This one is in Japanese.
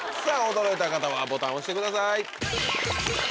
驚いた方はボタン押してください